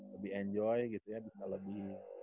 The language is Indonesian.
lebih enjoy gitu ya bisa lebih